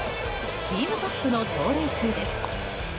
チームトップの盗塁数です。